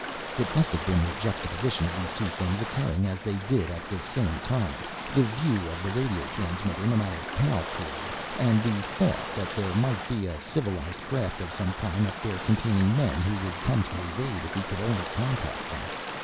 It must have been the juxtaposition of these two things, occurring as they did at the same time, the view of a radio transmitter, no matter how crude, and the thought that there might be a civilized craft or some kind up there containing men who would come to his aid if he could only contact them.